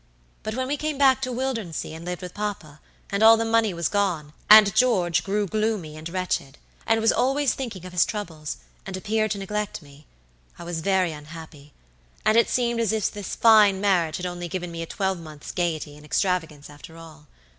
But when we came back to Wildernsea and lived with papa, and all the money was gone, and George grew gloomy and wretched, and was always thinking of his troubles, and appeared to neglect me, I was very unhappy, and it seemed as if this fine marriage had only given me a twelvemonth's gayety and extravagance after all.